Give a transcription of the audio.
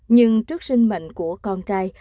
nhưng trước sinh mệnh của con trai